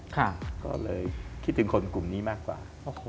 ก็เลยคิดถึงคนกลุ่มนี้มากกว่า